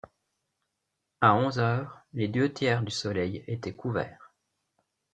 À onze heures, les deux tiers du soleil étaient couverts.